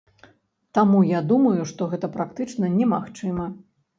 Таму я думаю, што гэта практычна немагчыма.